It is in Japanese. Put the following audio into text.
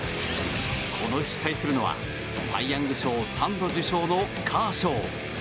この日、対するのはサイ・ヤング賞３度受賞のカーショー。